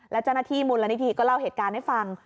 และเจ้าหน้าที่มูลนิธิก็เล่าเหตุการณ์ให้ฟัง